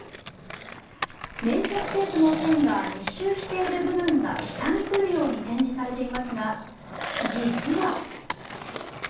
粘着テープの線が密集している部分が下に来るように展示されていますが実は。